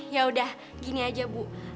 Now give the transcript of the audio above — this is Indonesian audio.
ya udah gini aja bu